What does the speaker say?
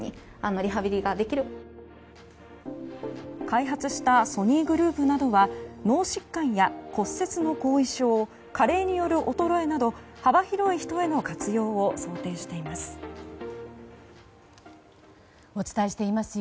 開発したソニーグループなどは脳疾患や骨折の後遺症加齢による衰えなど幅広い人への活用を想定しています。